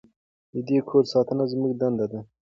د دې کور ساتنه زموږ دنده ده.